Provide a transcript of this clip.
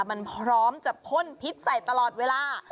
มันพร้อมจะพ่นพิษใส่ตลอดเวลา